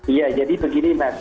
iya jadi begini mas